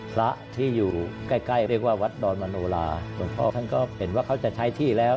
พระที่อยู่ใกล้ใกล้เรียกว่าวัดดอนมโนลาหลวงพ่อท่านก็เห็นว่าเขาจะใช้ที่แล้ว